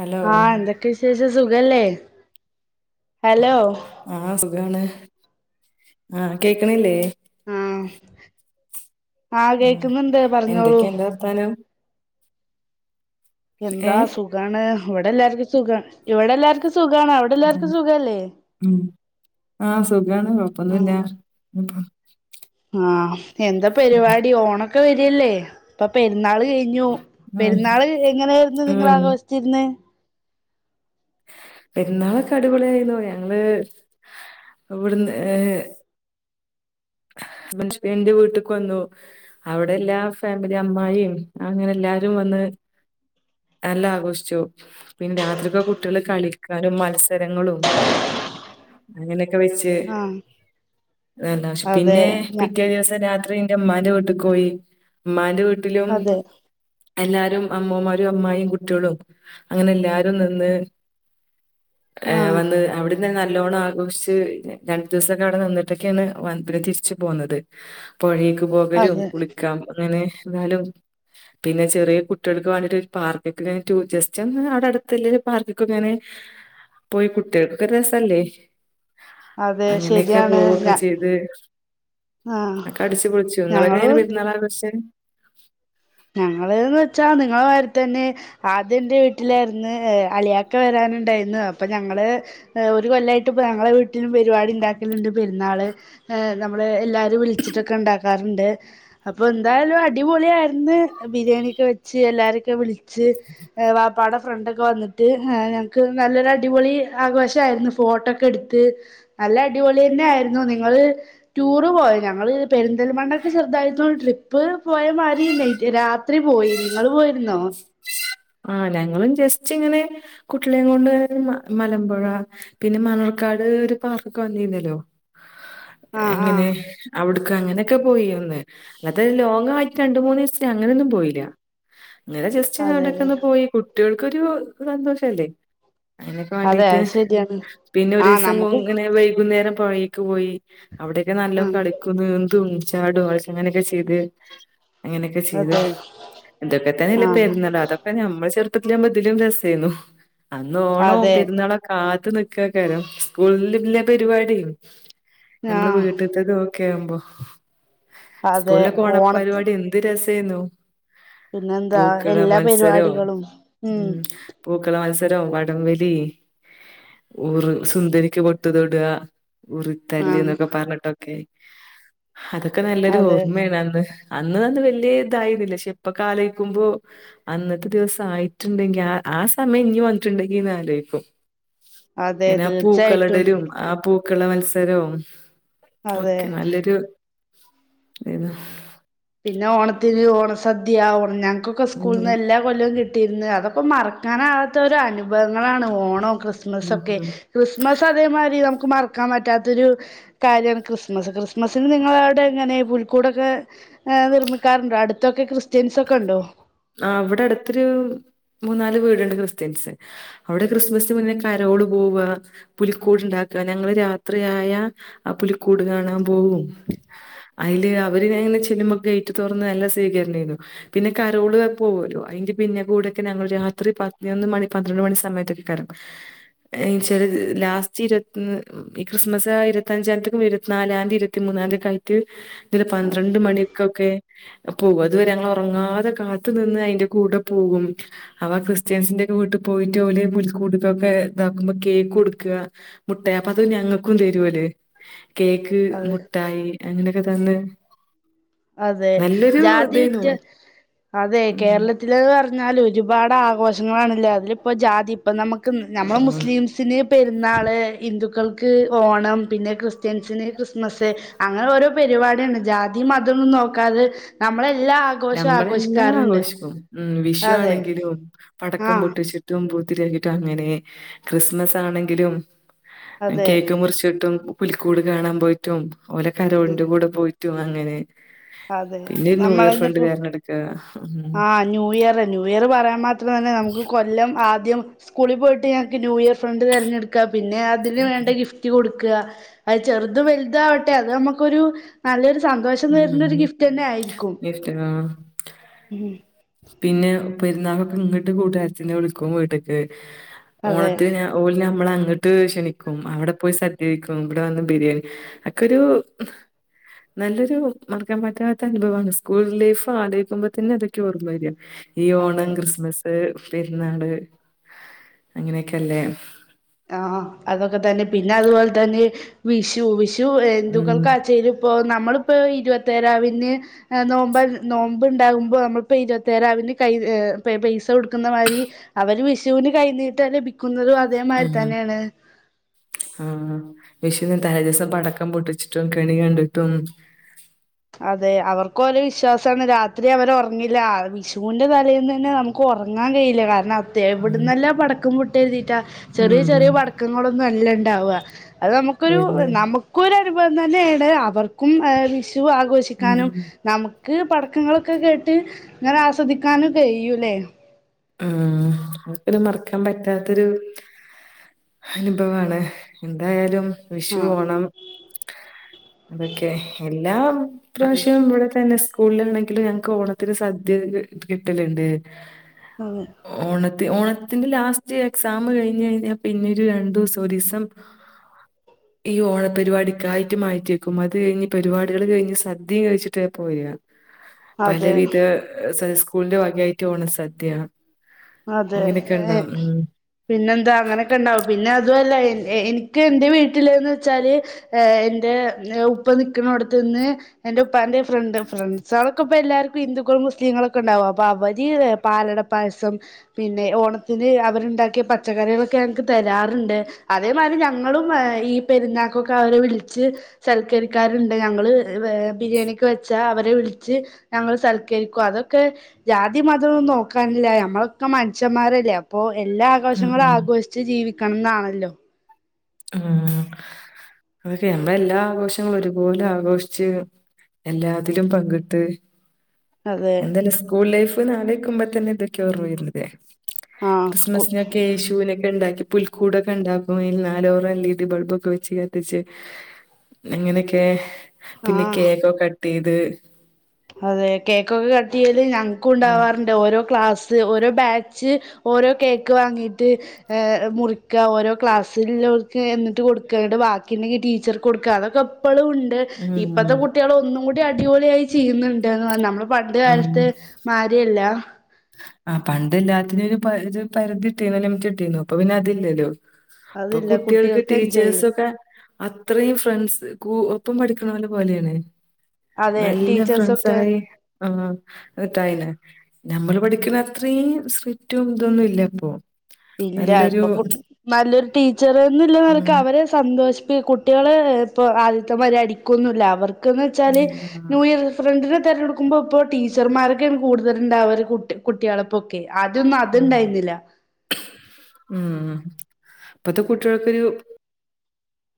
Hello ആഹ എന്തൊക്കെ വിശേഷാസ് സുഖല്ലേ ഹലോ ആഹ് സുഖാണ് ആഹ് കേക്കണില്ലേ ആഹ് ആഹ് ആ കേക്കുന്നുണ്ട് പറഞ്ഞോളൂ എന്തൊക്കെയുണ്ട് വർത്താനം ഏ എന്താ സുഖാണ് ഇവിടെ എല്ലാവർക്കും സുഖം ഇവിടെ എല്ലാവർക്കും സു അത ഉ ആഹ് സുഖാണ് കൊഴപ്പൊന്നും ഇല്ല [unintelligible] ആ എന്താ പരിപാടി ഓണക്ക ഒക്കെ വരിയല്ലേ ഇപ്പൊ പെരുന്നാള് കഴിഞ്ഞു ആഹ് പെരുന്നാള് എങ്ങനെയായിരുന്നു നിങ്ങ ഉം ആഘോഷിച്ചിരിന്ന് പെരുന്നാളൊക്കെ അടിപൊളിയായിന്നു ഞങ്ങള് ഇവിടുന്ന് ഏ മനഷ്യന്റെ വീട്ടക്ക് വന്നു അവിടെ എല്ലാ ഫാമിലി അമ്മായും അങ്ങനെ എല്ലാരും വന്ന് നല്ല ആഘോഷിച്ചു പിന്നെ രാത്രിയൊക്കെ കുട്ടികൾ കളിക്കാനും മത്സരങ്ങളും അങ്ങനെ ആഹ് [unintelligible] അതെ പിന്നെ ഞ പിറ്റേ ദിവസം രാ രാത്രി ന്റെ ഉമ്മാന്റെ വീട്ടിക്ക് പോയി മ്മന്റ ഇതിലും അതെ എല്ലാരും അമ്മമാരും അമ്മായിയും കുട്ടികളും അങ്ങനെ എല്ലാരും നിന്ന് ഏ ആഹ് വന്ന് അവിടന്ന് എങ്ങാനും നാലോണം ആഘോഷിച്ച് രണ്ടു ദിവസൊക്കെ അവിടെ നിന്നിട്ടൊക്കെയാണ് പിന്നെ തിരിച്ചു പോന്നത് പോഴേക്ക് പോകലും അതെ കുളിക്കാം അങ്ങനെ എന്നാലും പിന്നെ ചെറിയ കുട്ടികൾക്ക് വേണ്ടിട്ട് പാർക്കൊക്കെ ഇങ്ങ ജസ്റ്റ് ഒന്ന് അവിടെ അടുത്തല്ലേ പാർക്കൊക്കെ ഇങ്ങനെ പോയി കുട്ടികൾക്കൊക്കെ രസല്ലേ അതെ അങ്ങനെയൊക്കെ ശരിയാണ് പോവൊക്കെ ഞാ ചെയ്ത് ഒക്കെ അടിച്ചു പൊളിച്ചു ഇങ്ങളൊക്കെ എങ്ങനെ ഞങ്ങളും പെരുന്നാള് അലോഷിച്ച് [unintelligible] ഞങ്ങള്ന്ന് വെച്ചാ നിങ്ങള മാരി തന്നെ ആദ്യം എന്റെ വീട്ടിലായിരുന്നു അലിയക്കെ വരാനുണ്ടായിരുന്നു അപ്പൊ ഞങ്ങള് ഒരു കൊല്ലമായിട്ട് ഇപ്പ ഞങ്ങളെ വീട്ടിലും പരിപാടി ഉണ്ടാക്കലുണ്ട് പെരുന്നാള് ഏ നമ്മള് എല്ലാരും വിളിച്ചിട്ടൊക്കെ ഉണ്ടാക്കർ ഉണ്ട് അപ്പ എന്തായാലും അടിപൊളി ആയിരുന്നു ഇന്ന് ബിരിയാണിക്കെ വെച്ച് എല്ലാരൊക്കെ വിളി ച്ച് എ വാപ്പാടെ ഫ്രണ്ടൊക്കെ വന്നിട്ട് എ ഞങ്ങക്ക് നല്ലൊരു അടിപൊളി ആഘോഷയിരുന്നു ഫോട്ടോക്കെ എടുത്ത് നല്ല അടിപൊളി തന്നെ ആയിരുന്നു നിങ്ങള് ടൂറ് പോയ ഞങ്ങള് പെരിന്തൽമണ്ണൊക്കെ ചെറുതായിരുന്നു ട്രിപ്പ് പോയ മാ ഒത്തിരി ലേറ്റ് രാത്രി പോയിന് ആഹ ഞങ്ങളും ജസ്റ്റ്‌ ച്ചിങ്ങനെ കുട്ടളിയംകൊണ്ട് മ മലമ്പുഴ പിന്നെ മണർക്കാട് ഒരു പാർക്കൊക്കെ വന്നിരുന്നല്ലോ ആഹ് എങ്ങനെ ആഹ് അവിടുക്ക അങ്ങനെ ഒക്കെ പോയി അന്ന് അന്നത്തെ ലോങ്ങ ആയിട്ട് രണ്ട് മൂന്ന് ദിവസ അങ്ങനെയ ഒന്നും പോയില്ല ഇങ്ങനെ ജസ്റ്റ് ഞാ അതെല്ലേ അടടെക്കന്ന് പോയി കുട്ടികൾ ക്കൊരു സന്തോഷ അല്ലേ അതിനൊക്കെ അതെ വേണ്ടീട്ട് അത് ശരിയാണ് പിന്നെ ഒരു ആഹ് ദിവസം നമുക്ക് ഇങ്ങനെ വൈകുന്നേരം പോയി ക്ക് പോയി അവിടെയൊക്കെ നല്ല ആഹ് കളിക്കുന്ന എന്തും ചാടുൾസ് അങ്ങനെയൊക്കെ ചെയ്ത് അങ്ങനെയൊക്കെ ചെയ്തു അതെ ഇന്തൊക്കെ തന്നല്ലേ ആഹ് പരുന്നള് അതൊക്കെ നമ്മൾ ചെറു പാതിലാവുമ്പോ ഇതിലും രസയിരുന്നു അന്ന് ഓണം അതെ പെരുന്നാള കാ നിക്കാ കാരം സ്കൂളിൽല്ല പരിപാടി നമ്മള് ആഹ് വീട്ടത്തത്ക്കെ ഒക്കെമ്പോ അതെ സ്കൂളൊക്കെ ഓണ ഓണത്തി പരിപാടി എന്ത് രസ തിന്നു പിന്നെന്താ പൂക്കള എല്ലാ മത്സരവും പരിപാടികളും ഉ ഉം പൂക്കള മത്സര രോം വടംവലി ഊറ് സുന്ദരിക്ക് പൊട്ട് തൊടുക ഉറിത്തല്ല് ആഹ് എന്നൊക്കെ പറഞ്ഞിട്ടൊക്കെ അതൊക്കെ നല്ലൊരു അതെ ഓർമ്മയാണ് അന്ന്. അന്ന് അത് വലിയ ഇതായിരുന്നില്ല പക്ഷെ ഇപ്പ ക്കാലോചിക്കുമ്പോ അന്നത്തെ ദിവസം ആയിട്ടിണ്ടെങ്കി ആ ആ സമയം ഇനി വന്നിട്ടിണ്ടെങ്കിന്ന് ആലോചിക്കും അതെ അതിന തീർച്ചയായിട്ടും പൂക്കളിടലും ആ പൂ ക്കള മത്സരോം അതെ ഒക്കെ നല്ലൊരു [unintelligible] പിന്നെ ഓണത്തിന് ഓണസദ്യ ഓണം ഞാ നക്ക സ്കൂളിന്ന് ഉം എല്ലാ കൊല്ലവും കി ട്ടിയിരുന്ന് അതൊക്കെ മറക്കാനാവാത്ത ഒരു അനുഭവങ്ങളാണ് ഓണം. ഉം ക്രിസ്മസ്സൊക്കെ ഉം. ക്രിസ്മസ് അതേമാതിരി നമു [unintelligible] മറക്കാൻ പറ്റാത്തൊരു കാര്യമാണ് ക്രിസ്മസ് ക്രിസ്മസിന് നിങ്ങളവിടെ ഇങ്ങനെ പുൽക്കൂടൊക്കെ നിർമ്മിക്കാറുണ്ട് അടുത്തൊക്കെക്രിസ് അവിടെ അടുത്തൊരു മൂന്നാല് വീടുണ് ക്രിസ്ത്യൻസ് അവിടെ ക്രിസ്മസിന് മുന്നെ കരോള് പോവുക പുലിക്കൂട്ണ്ടാക്കുക ഞങ്ങള് രാത്രിയായ ആ പുലിക്കൂട് കാണാൻ പോകും അതില് അവര്ങ്ങനെ ചെല്ലുമൊക്കെ യറ്റു തോറന്ന് നല്ല സ്വീകരണണംരുന്നു പിന്നെ കരോള് പോല്ലോ അതിന്റെ പിന്നെ കൂടെൊക്കെ ഞങ്ങൾ രാത്രി പതിനൊന്ന് മണി പന്ത്രണ്ട് മണി സമയത്തൊക്കെ കരം ച്ചാല് ലാസ്റ്റ് ഇരുപത്തി ഈ ക്രിസ്മസ് ഇരുപത്തിഞ്ചായിത്തേക്കും ഇരുപത്തിനാലാംതി ഇരുപത്തിമൂന്നാംതിയക്കെ യിട്ട് ഇല് അതെ പന്ത്രണ്ട് മണിക്കൊക്കെ പോകും അതുവരേ ഉറങ്ങാതെ കാത്തു നിന്ന് അതിന്റെ കൂടെ പോകും അവ ക്രിസ്ത്യൻസിന്റെ ഒക്കെ വീട്ടിൽ പോയിട്ട പോലെ പുടൊക്കെ ഇതാക്കുമ്പോ കേക്ക് കൊടുക്ക മുട്ടായി അപ്പ അത ഞങ്ങൾക്കും തരുല്ല കേക്ക് അതെ മുട്ടായി അങ്ങനെ തന്ന് അതെ നല്ലൊരു ജാതി ഇതേനു വിറ്റ് അതെ ഉം കേരളത്തിലത് അറിഞ്ഞ എന്നാലും ഒരുപാട് ആഘോഷങ്ങളാണല്ലേ അതില ഇപ്പോ ജാതി ഇപ്പ നമു [unintelligible] നമ്മെ ആഹ് മുസ്ലിംസിന് പെരുന്നാള് ഹിന്ദുക്കൾക്ക് ഓണം പിന്നെ ക്രിസ്ത്യൻസിന് ക്രിസ്മസ് അങ്ങനെ ഓരോ പരിപാടിയണ്ട് ജാതി മത തൊന്നും നോക്കാതെ ആഘോഷവും നമ്മളെല്ലാം ആഘോഷിക്കാറുണ്ട് ആഘോഷിക്കും ഉം വിഷു അതെ ആണെങ്കിലും പടക്കം ആഹ് പൊട്ട് ചുറ്റും പൂ ഒത്തിരിയാട്ടും അങ്ങനെ ക്രിസ്മസ് ആണെങ്കിലും അതെ കേക്കും മുറിച്ച കിട്ടും പുലിക്കൂട് കാണാൻ പോയിട്ടും ഓലെ കണ്ട് ഉം ഓന്റെ കൂടെ പോയിട്ടു അങ്ങനെ അതെ പിന്നെ ന്യൂ നമ്മ- ഇയർ ഫണ്ട് കരണടുക്കുക [unintelligible] ആ ന്യൂ ഇയർ ന്യൂ ഇയർ പറയുമ്പം അത്രം തന്നെ നമുക്ക് കൊല്ലം ആ- ആദ്യം സ്കൂളിൽ പോയിട്ട് ഞങ്ങൾക്ക് ന്യൂ ഇയർ ഫ്രണ്ട് തെരെഞ്ഞടുക്കാം പിന്നെ അതിന് വേണ്ട ഗിഫ്റ്റ് കൊടുക്ക- അത് ചെറുത് വലുത് ആവട്ടെ അത് നമുക്കൊരു നല്ലൊരു- സന്തോഷം തരുന്ന ഒരു ഉം ഗിഫ്റ്റ് തന്നെ ആയിരിക്കും ഗിഫ്റ്റ് ആ ഉം പിന്നെ പെരുന്നാളൊക്കെ ഇങ്ങോട്ട് കൂട്ടുകാരത്തിെ വിളിക്കും വീട്ട്ക്ക് അതെ ഓണത്തിന് ഓല് നമ്മളെ അങ്ങ് - എന്നിട്ട് ക്ഷണിക്കും അവിടെ പോയി സദ്യ കഴിക്കും ഇവിടെ വന്ന് ബിരിയാണി ഒക്കെരു നല്ലൊരു മറക്കാൻ പറ്റാത്ത അനുഭവമാണ് സ്കൂൾ ലൈഫ് ആലോചിക്കുമ്പോ തന്നെ അതൊക്കെ ഓർമ - അതു മായ്രിയാ. ഈ ഓണം, അതെ ക്രിസ്മസ് പെരുന്നാള് അങ്ങനെയൊക്കെല്ലേ. ആ.. അതൊക്കെ തന്നെ പിന്നെ അതുപോലെ തന്നെ വിഷു. വിഷു ഉം എന്തുക്കൾക്കാച്ചേരും ഇപ്പോ നമ്മളിപ്പോ ഇരുപത്തേരാവിന് നോമ്പ നോമ്പ് ഉണ്ടാകുമ്പോ നമ്മളിപ്പോ ഇരുപത്തേരാവിന് കൈ പൈസ കൊടുക്കുന്ന മാതിരി അവര് വിഷുവിന് കൈനീട്ടം ലഭിക്കും [unintelligible] അതേമാരി ഉം ഹാ വിഷുന്ന് തലേ ദിവസം പടക്കം പൊട്ടിച്ചിട്ടും കെണി കണ്ടിട്ടും അതെ അവർക്കൊരോ വിശ്വാസമാണ് രാത്രി അവർ ഉറങ്ങില്ല വിഷുവിൻറെ തലേന്ന് തന്നെ നമുക്ക് ഉറങ്ങാൻ കഴിയില്ല കാരണം ഉം എവിടന്നല്ല പടക്കം പൊട്ടും കരുതീറ്റാ ചെറിയ ചെറിയ ഉം പടക്കങ്ങളൊന്നും അല്ല ണ്ടാവുക അത് നമുക്കൊരു പിന്നെ നമുക്കൊര അനുഭവം തന്നെയാണ് അവർക്കും ഏഹ് വിഷു [unintelligible] ആഘോഷിക്കാനും ഉം നമു ക്ക് പടക്കങ്ങളൊക്കെ കേട്ട് ഇങ്ങനെ ആസ്വദിക്കാനും കഴിയൂല്ലേ ഉം ഒരിക്കലും മറക്കാൻ പറ്റാത്തൊരു അനുഭവമാണ് എന്തായാലും വിഷു ആഹ് ഓണം അതൊക്കെ എല്ലാം പ്രാവശ്യം ഇവിട ത്തന്നെ സ് സ്കൂളിലാണെങ്കിൽ ഞങ്ങക്ക് ഓണത്തിന് സദ്യ കി കിട്ടലുണ്ട് അതെ ഓണത്തി ഓണ ത്തിന്റെ ലാസ്റ്റ് എക്സാം കഴിഞ്ഞ് കഴിഞ്ഞ പിന്നെ ഒരു രണ്ടു ദിവസം ഒരു ദിവസം ഈ ഓണപരിപാടിക്കായിട്ട് മാറ്റി വെക്കും അത് കഴിഞ്ഞ് പരിപാടികൾ കഴിഞ്ഞ് സദ്യയും കഴിച്ചിട്ടേ പോരുക പല അതെ വിധ സംസ് സ്കൂളിന്റെറെ വകയായിട്ട് ഓണ സദ്യയാണ് അതെ പിന്നെ എന്താ അങ്ങനെയൊക്കെ ഉണ്ടാവും പിന്നെ അതുമല്ല എ എനിക്ക് എൻന്റെ വീട്ടില് എന്നു വെച്ചാല് എന്റെ ഉപ്പ നിൽക്കണ അടുത്ത്ന്ന് എൻറെ ഉപ്പാന്റെ ഫ്രണ്ട് ഫ്രണ്ട്സുകളൊക്കെ ഇപ്പോ എല്ലാവർക്കും ഹിന്ദുക്കളും മുസ്ലീങ്ങളൊക്കെ ഉണ്ടാവും അപ്പൊ അവര് പാലട പായസം പിന്നെ ഓണത്തിന് അവരുണ്ടാക്കിയ പച്ചക്കറികളൊക്കെ ഞങ്ങക്ക് തരാറുണ്ട് അതേമാതിരി ഞങ്ങളും ഈ പെരുന്നാക്കൊക്കെ അവരെ വിളിച്ച് സൽക്കരിക്കാറുണ്ട് ഞങ്ങള് ഏ ബിരിയാണിക്ക് വെച്ചാ അവരെ വിളിച്ച് ഞങ്ങൾ സൽക്കരിക്കും അതൊക്കെ ജാതി മതൊന്നും നോക്കാനില്ല ഞമ്മള് [unintelligible] മനുഷ്യന്മാരല്ലേ അപ്പൊ എല്ലാ ആഘോഷങ്ങളും ഉം ആഘോഷിച്ച് ജീവിക്ക ക്കം ന്നാണല്ലോ ഉം അതൊക്കെ നമ്മ എല്ലാ ആഘോഷങ്ങളും ഒരുപോലെ ആഘോഷിച്ച് എല്ലാത്തിലും പങ്കിട്ട് അതെ എന്താല്ലേ സ്കൂൾ ലൈഫ് ന്ന് അലോയ്ക്കുമ്പ അപ്പൊ തന്നെ എന്തൊക്കെയോ ഓർമ വരുന്നു ഇല്ലേ ആ സ്കൂ ക്രിസ്മസിനൊക്കെ യേശുവിനൊക്കെ ഉണ്ടാക്കി പുൽക്കൂടൊക്കെ ഉണ്ടാക്കും [unintelligible] [unintelligible] എൽ ഈ ഡീ ബൾബ് വെച്ച് കത്തിച്ച് അങ്ങനെയൊക്കെ പിന്നെ ആ കേക്കൊക്കെ കട്ട് ചെയ്ത് ത് അതെ കേക്കൊക്കെ കട്ട് ചെയ് ത് ഞങ്ക്ക്കു ഉം ഉണ്ടാവാറ്ണ്ട് ഓരോ ക്ലാ സ് ഓരോ ബാച്ച് ഓരോ കേക്ക് വാങ്ങിയിട്ട് മുറിക്കാ. ഓരോ ക്ലാസ്സില് ല്ലോൽക്ക് എന്നിട്ട് കൊടുക്കാ. ഇന്നട്ട് ബാക്കി ഉണ്ടെങ്കിൽ ടീച്ചർക്ക് കൊടുക്കാ. അതൊക്കെ പ്പളും ഉണ്ട്. ഇപ്പത്തെ ഉം കുട്ടിയേള് ഒന്നും കു ടി അടിപൊളിയായി ചെയ്യുന്നുണ്ട്. [unintelligible] നമ്മളും പണ്ട് കാലത്ത് ആഹ് മായ്രിയല്ല. ആ പണ്ട് എല്ലാത്തിനും ഒരു ഒരു പരിധി ഇട്ടിന്നു ലിമിറ്റ് ഇട്ടിന്നു. ഇപ്പൊ പിന്നെ അതില്ലല്ലോ. പ്പൊ അതില്ല കുട്ടിയേൾക്ക് കുട്ടികൾക്ക് എൻജോയ് ചെയ്യാം. ടീച്ചേഴ്സൊക്കെ അത്രയും ഫ്രണ്ട്സ് കൂ പ്പം പഠിക്ണോലെ പോലേണ്. അതെ നല്ല ഫ്രണ്ട്സ ടീച്ചേഴ്സൊക്കെ ആയി ആഹ് അതൊട്ടായി ന്. നമ്മള് പഠിക്ണ അത്രീം സ്ട്രീറ്റും ഇതൊന്നു ഇല്ലപ്പൊ. ഇല്ല. ഇപ്പൊ കു നല്ലൊരു ടീച്ചറ് ന്ന്ല്ല നെലക്ക് ഉം അവരെ സന്തോഷിപ്പി കു ട്ട്യള് ഇപ്പോ ആദ്യത്തെ മാതിരി അടിക്കൊന്നുല്ല അവ ർക്ക് ന്നെച്ചാല് ആ, ന്യൂ ഇയർ ഫ്രണ്ടിനെ തിരഞ്ഞെടുക്കുമ്പോ ഇപ്പോ ടീച്ചർമാരൊക്കെണ് കൂടുതരുണ്ടാവല് കുട്ടി കുട്ട്യാളൊപ്പൊക്കെ ആദ്യൊന്നും ഉം അത്ണ്ടായിരുന്നില്ല. ഉം ഇപ്പത്തെ കുട്ട്യൾക്കൊരു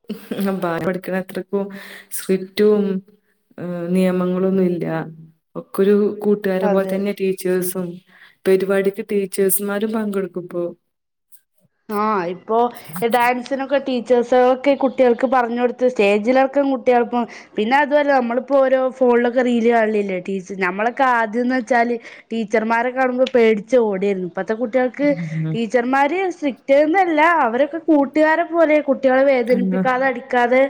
[unintelligible] ക്കണത്രക്കും സ്ട്രിക്റ്റും അ് നിയമങ്ങളൊന്നുല്ല ഒക്കൊരു കൂട്ടുകാരെ പോലെ അതെ തന്നെ ടീച്ചേഴ്സും പരിപാടിക്ക് ടീച്ചേഴ്സ്ുമാരും പങ്കെടുക്കും്പ ആഹ ഇപ്പോൊ ഡാൻസിനൊക്കെ ട ടീച്ചേഴ്സൊക്കെ കുട്ടികൾക്ക് പറഞ്ഞഞ് കൊടുത്ത് സ്റ്റേജിലടക്കം കുട്ടികൾപ്പം പിന്നെ അതുപരെെ നമ്മളിപ്പോൾ ഓരോ ഫോണിലൊക്കെ റീൽ കാണില്ലല്ലേ ടീ നമ്മളൊക്കെ ആദ്യംെന്ന് വെച്ചാൽ ടീച്ചർമാരെക്ക കാണുമ്പോൾ പേടിച്ചച്ച് ഓടിയിരുന്നു ഇപ്പത്തെ കുട്ടികൾക്ക് ഉം ടീച്ചർമാര് പറ്റന്നല്ല അവരൊക്കെ കൂട്ടുകാരെ പോലെ കുട്ടികളെ ആഹ് വേദനിപ്പിക്കാതെ അടിക്കാതെ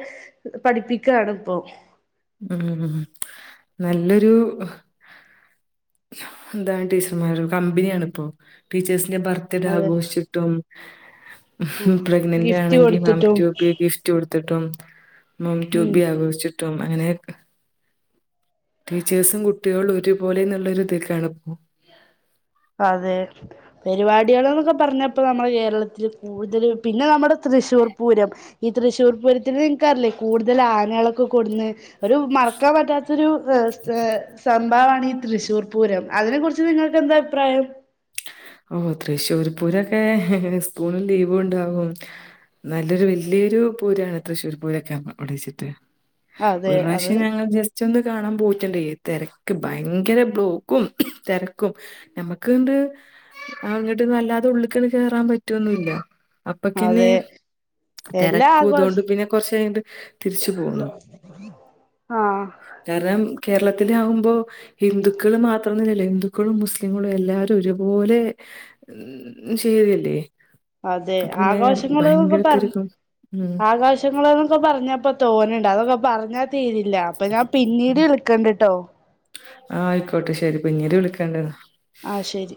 പഠിപ്പിക്കാണ് ഇപ്പൊ ഉം നല്ലൊരു എന്താണ് ടീച്ചർമാര കമ്പനിയണ ഇപ്പോ ടീച്ചേഴ ന്റെ ബർത്ത് ഡേ അതെ ആഘോഷിച്ചിട്ടും ആഹ് പ്രെഗ്നന്റ് ഗിഫ്റ്റ് ആണെങ്കിൽ കൊടുത്തിട്ടും മാംറ്റോപ്പി ഗിഫ്റ്റ് കൊടുത്തിട്ടും മം ഉം ട്യൂബി ആഘോഷിച്ചിട്ടും അങ്ങനെ ടീച്ചേഴ്സും കുട്ടികളും ഒരുപോലെ നല്ലൊരു ഇതൊക്കാണ്പ്പോൊ അതെ പരിപാടികൾ എന്നൊക്കെ പറഞ്ഞപ്പ നമ്മുടെ കേരളത്തില്ൽ കൂടുതൽ പിന്നെ നമ്മുടെ തൃശ്ശൂർ പൂരം ഈ തൃശ്ശൂർ പൂരത്തി നിക്കാറില്ലേ കൂടുതൽ ആനകളൊക്കെ കൊടുന്ന് ഒരു മറക്കാൻ പറ്റാത്തൊരു പഭാവാണ് ഈ തൃശൂർ പൂരം അതിനെ കുുറിച്ച് നിങ്ങൾക്ക്െന്താ അഭിപ്രായം ഓ തൃശ്ശൂർ പൂരൊക്കെ സ്കൂളിൽ ലീവ ഉണ്ടാാവും നല്ലൊരു വല്ിയൊരു പൂരാണ് തൃശ്ശൂർ പൂരൊക്കെ വിടിച്ചിട്ട് അതെ ഒരു അത് പ്രാവശ്യം ഞങ്ങൾ ജസ്റ്റ് ഒന്ന് കാണാൻ പോ തിരക്ക് ഭയങ്കര ബ്ലോക്കും തിരക്കും നമ്മക്ക്ണ്ട് അങ്ങിട്ട്ന്നും വല്ലാതെ ഉള്ളിക്കണ് കേയറാൻ പറ്റുവൊന്നല്ല അപ്പൊക്കന്നെ അതെ എല്ലാ തിരക്കും ആഘോഷ അതൊണ്ട് പിന്നെ കൊറച്ചണ്ട് തിരിച്ചു പോന്നു ആ കാരണം കേരളത്തില ആകുമ്പോൾ ഹിന്ദുക്കള് മാത്രംന്നല്ലോ ഹിന്ദുക്കളും മുസ്ലിങ്ങളും എല്ലാവാരും ഒരു പോലെ ഉ ചെയ്തല്ലേ അതെ ആഘോഷങ്ങള്ൾ എന്നൊക്കെ പറഞ്ഞ തിരക്കും ഉം ആഘോഷങ്ങള്ൾ എന്നൊക്കെ പറഞ്ഞപ്പ തോന്നണ്ട് അതൊക്കെ പറഞ്ഞാ തീരി ഇല്ല അപ്പൊ ഞാൻ പിന്നീട് വിളക്കണ്ടിട്ടോ ആഹ ആയിക്കോട്ടെ ശെരി പിഞ്ഞല് വിളിക്കണ്ടന്ന ആ ശരി